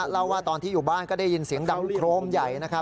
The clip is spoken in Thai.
เล่าว่าตอนที่อยู่บ้านก็ได้ยินเสียงดังโครมใหญ่